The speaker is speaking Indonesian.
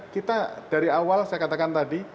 kita dari awal saya katakan tadi